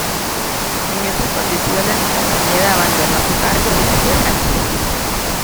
En estas condiciones Castañeda abandonó su cargo y se fue a Chile.